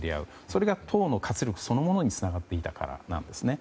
それが党の活力につながっていたからなんですね。